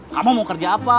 kamu mau kerja apa